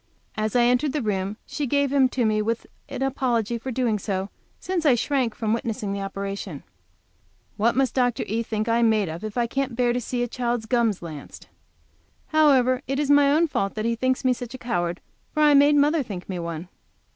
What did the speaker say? As I entered the room she gave him to me with an apology for doing so, since I shrank from witnessing the operation. What must Dr. E. think I am made of if I can't bear to see a child's gums lanced? However, it is my own fault that he thinks me such a coward, for I made mother think me one.